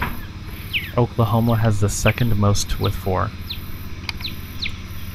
Oklahoma has the second most with four.